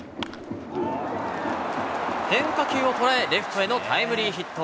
変化球をとらえレフトへのタイムリーヒット。